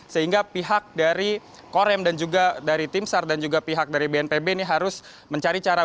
sehingga pihak dari korem dan juga dari tim sar dan juga pihak dari bnpb ini harus mencari cara